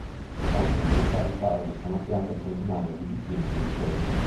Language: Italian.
Fu anche necessario fare di sana pianta centinaia di dipinti e disegni.